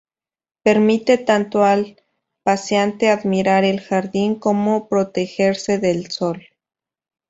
Permite tanto al paseante admirar el jardín como protegerse del sol.